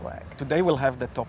hari ini kita akan memiliki top sepuluh